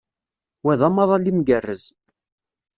Wa d amaḍal imgerrez.